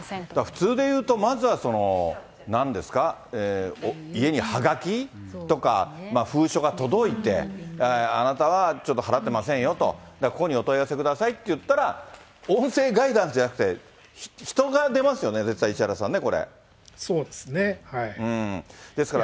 普通でいうと、まずは、なんですか、家にはがきとか、封書が届いて、あなたはちょっと払ってませんよと、ここにお問い合わせくださいって言ったら、音声ガイダンスじゃなくて人が出ますよね、絶対、そうですね。